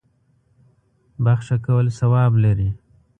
بخښه کول ثواب لري.